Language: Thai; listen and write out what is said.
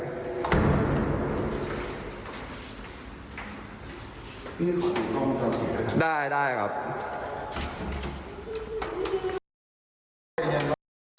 นี่ความตกในห้องของเขาเห็นไหมครับได้ได้ครับ